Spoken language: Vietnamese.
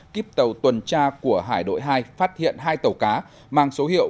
kíp tàu tuần tra của hải đội hai phát hiện hai tàu cá mang số hiệu